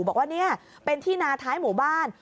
บอกว่านี่เป็นที่นาท้ายหมู่บ้าน